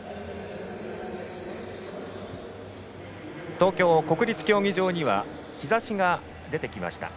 東京・国立競技場には日ざしが出てきました。